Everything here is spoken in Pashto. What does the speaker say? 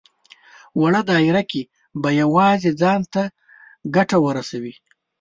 وړه دايره کې به يوازې ځان ته ګټه ورسوي.